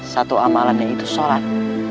satu amalan yaitu sholat